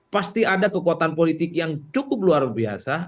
pasti ada kekuatan politik yang cukup luar biasa